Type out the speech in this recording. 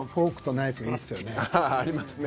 ああありますね。